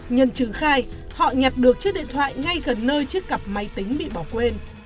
nhân chứng khai họ nhặt được chiếc điện thoại ngay gần nơi chiếc cặp máy tính bị bỏ quên